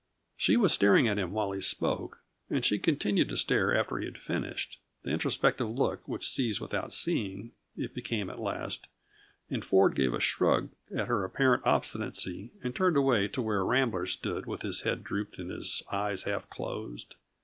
She was staring at him while he spoke, and she continued to stare after he had finished; the introspective look which sees without seeing, it became at last, and Ford gave a shrug at her apparent obstinacy and turned away to where Rambler stood with his head drooped and his eyes half closed.